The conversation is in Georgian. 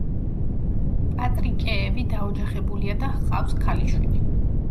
პატრიკეევი დაოჯახებულია და ჰყავს ქალიშვილი.